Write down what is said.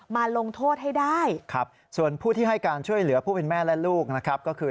ลงโทษให้ได้ครับส่วนผู้ที่ให้การช่วยเหลือผู้เป็นแม่และลูกนะครับก็คือ